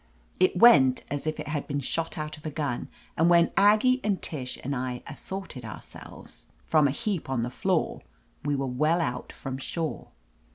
It went as if it had been shot out of a gun, and when Aggie and Tish and I had assorted ourselves 326 OF LETITIA CARBERRY from a heap on the floor, we were well out from shore.